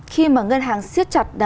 khi mà ngân hàng xiết chặt